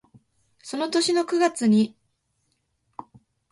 その年の九月に下の切り通しの河原町を西に折れたところに移りました